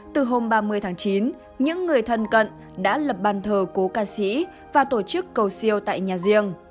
từ hôm ba mươi tháng chín những người thân cận đã lập bàn thờ cố ca sĩ và tổ chức cầu siêu tại nhà riêng